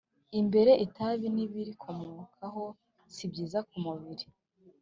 imbere itabi n’ibirikomokaho sibyiza kumubiri